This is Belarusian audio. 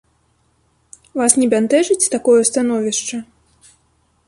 Вас не бянтэжыць такое становішча?